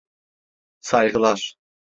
Saygılar.